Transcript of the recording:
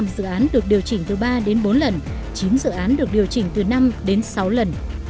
năm dự án được điều chỉnh từ ba đến bốn lần chín dự án được điều chỉnh từ năm đến sáu lần